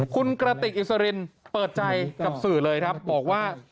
คุณกระติกอิสรินเปิดใจกับสื่อเลยครับบอกว่า